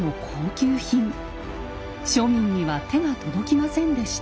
庶民には手が届きませんでした。